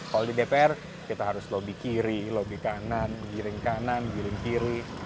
kalau di dpr kita harus lobby kiri lobby kanan giring kanan giring kiri